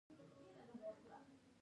اورېدل د زده کړې بنسټ دی.